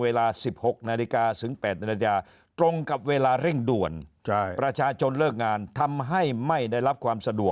เวลา๑๖นาฬิกาถึง๘นาฬิกา